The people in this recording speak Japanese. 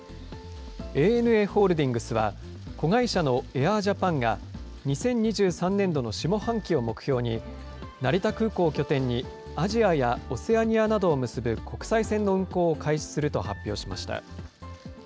ＡＮＡホールディングスは、子会社のエアージャパンが、２０２３年度の下半期を目標に、成田空港を拠点に、アジアやオセアニアなどを結ぶ国際線の運航を開始すると発表しました。